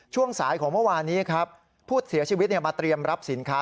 ช่วงสายของเมื่อวานนี้ครับผู้เสียชีวิตมาเตรียมรับสินค้า